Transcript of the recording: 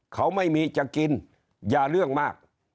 เขาไม่มีจะกินอย่าเรื่องมาก